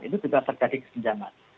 itu juga terjadi kesenjangan